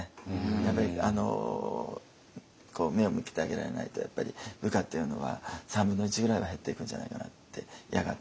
やっぱり目を向けてあげられないと部下っていうのは３分の１ぐらいは減っていくんじゃないかなってやがて。